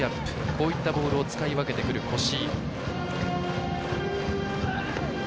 こういったボールを使い分けてくる越井。